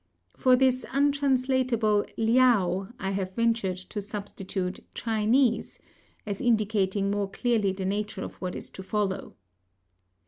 For this untranslatable "Liao" I have ventured to substitute "Chinese," as indicating more clearly the nature of what is to follow.